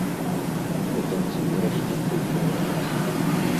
Пры канцы верасня прыйшоў адказ.